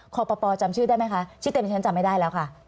ปปจำชื่อได้ไหมคะชื่อเต็มที่ฉันจำไม่ได้แล้วค่ะ